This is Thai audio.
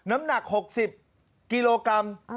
น้ำหนัก๖๐กิโลกรัม